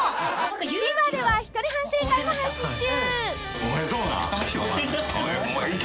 ［ＴＶｅｒでは一人反省会も配信中］